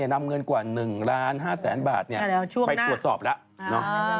นำเงินกว่า๑ล้าน๕แสนบาทไปตรวจสอบแล้ว